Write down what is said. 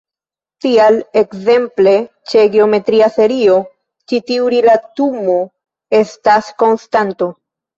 Tial, ekzemple, ĉe geometria serio, ĉi tiu rilatumo estas konstanto.